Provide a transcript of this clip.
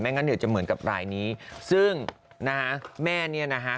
ไม่งั้นจะเหมือนกับรายนี้ซึ่งนะฮะแม่เนี่ยนะฮะ